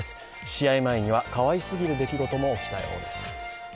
試合前にはかわいすぎる出来事も起きたようです。